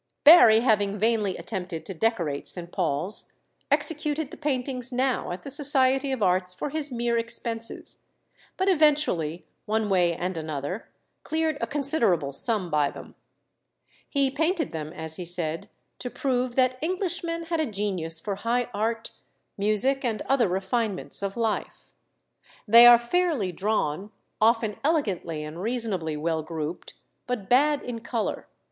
Barry having vainly attempted to decorate St. Paul's, executed the paintings now at the Society of Arts for his mere expenses, but eventually, one way and another, cleared a considerable sum by them. He painted them, as he said, to prove that Englishmen had a genius for high art, music, and other refinements of life. They are fairly drawn, often elegantly and reasonably well grouped, but bad in colour.